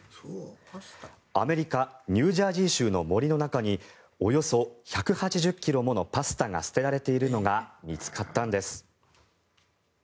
アメリカ・ニュージャージー州の森の中におよそ１８０ｋｇものパスタが捨てられているのが見つかったんです。